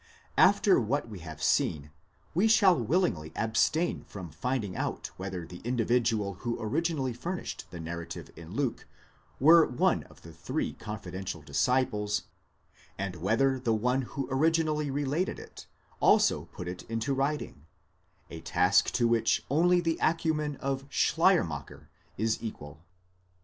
After what we have seen we shall willingly abstain from finding out whether the individual who originally furnished the narrative in Luke were one of the three confidential disciples, and whether the one who originally related it, also put it into writing: a task to which only the acumen of Schleiermacher is equal.